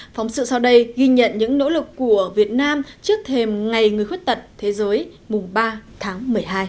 phóng sự sau đây ghi nhận những nỗ lực của việt nam trước thềm ngày người khuyết tật thế giới mùng ba tháng một mươi hai